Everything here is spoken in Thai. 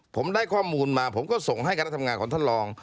ผมได้ข้อมูลมาผมก็ส่งให้คณะทำงานของท่านรอง